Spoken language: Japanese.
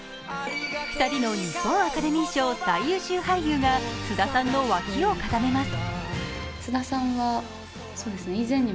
２人の日本アカデミー賞最優秀俳優が菅田さんの脇を固めます。